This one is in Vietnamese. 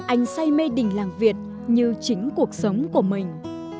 anh say mê đình làng việt như chính cuộc sống của mình